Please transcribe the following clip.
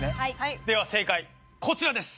では正解こちらです。